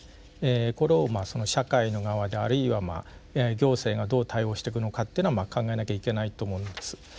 これを社会の側であるいは行政がどう対応していくのかっていうのは考えなきゃいけないと思うんです。